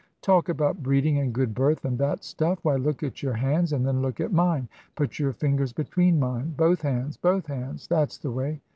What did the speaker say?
Talk about breeding and good birth, and that stuff! Why, look at your hands and then look at mine. Put your fingers between mine both hands, both hands that's the way.